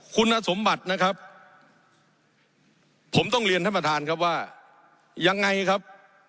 คุณสมบัตินะครับผมต้องเรียนท่านประธานครับว่ายังไงครับ